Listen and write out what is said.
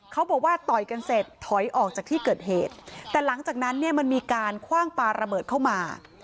เขาบอกว่าต่อยกันเสร็จถอยออกจากที่เกิดเหตุแต่หลังจากนั้นเนี่ยมันมีการคว่างปลาระเบิดเข้ามา